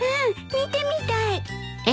見てみたい。